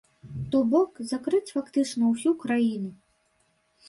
То бок, закрыць фактычна ўсю краіну.